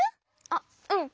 あっうん。